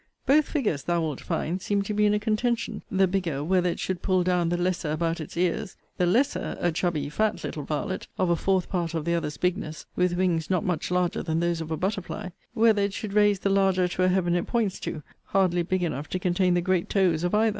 Both figures, thou wilt find, seem to be in a contention, the bigger, whether it should pull down the lesser about its ears the lesser (a chubby fat little varlet, of a fourth part of the other's bigness, with wings not much larger than those of a butterfly) whether it should raise the larger to a Heaven it points to, hardly big enough to contain the great toes of either.